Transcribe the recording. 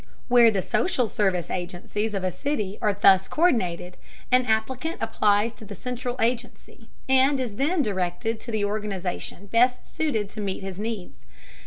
Where the social service agencies of a city are thus co÷rdinated, an applicant applies to the central agency and is then directed to the organization best suited to meet his needs.